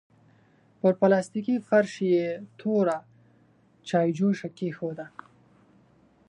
پر پلاستيکي فرش يې توره چايجوشه کېښوده.